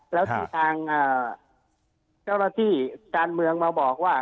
แล้วที่ทางเจ้าหน้าที่การเมืองมาบอกว่า